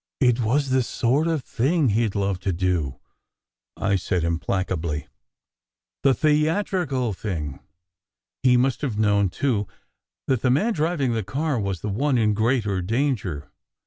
"It was the sort of thing he d love to do," I said im placably. "The theatrical thing. He must have known, too, that the man driving the car was the one in greater danger.